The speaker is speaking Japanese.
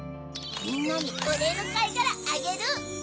みんなにおれいのかいがらあげる！